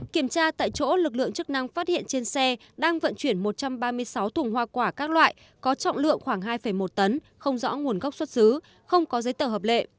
kiểm tra tại chỗ lực lượng chức năng phát hiện trên xe đang vận chuyển một trăm ba mươi sáu thùng hoa quả các loại có trọng lượng khoảng hai một tấn không rõ nguồn gốc xuất xứ không có giấy tờ hợp lệ